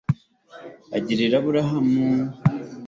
agirira abrahamu